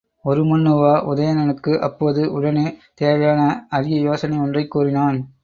உருமண்ணுவா உதயணனுக்கு அப்போது உடனே தேவையான அரிய யோசனை ஒன்றைக் கூறினான்.